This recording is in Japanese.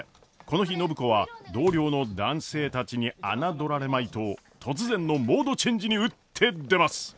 この日暢子は同僚の男性たちに侮られまいと突然のモードチェンジに打って出ます。